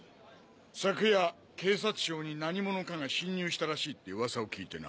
昨夜警察庁に何者かが侵入したらしいって噂を聞いてな。